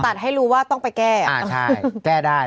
ตัดให้รู้ว่าต้องไปแก้